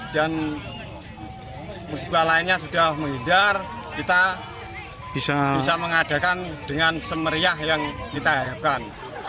musibah lainnya sudah menghindar kita bisa mengadakan dengan semeriah yang kita harapkan